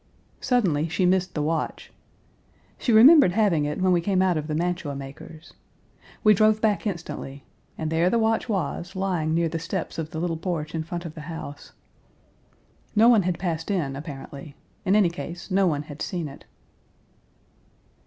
Suddenly, she missed the watch. She remembered having it when we came out of the mantua maker's. We drove beck instantly, and there the watch was lying near the steps of the little porch in front of the house. No one had passed in, apparently; in any case, no one had seen it.